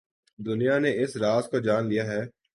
دنیا نے اس راز کو جان لیا ہے۔